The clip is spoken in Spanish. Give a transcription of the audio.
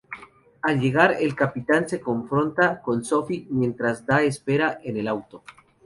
Al llegar, el capitán se confronta con Sophie mientras Dan espera en el auto.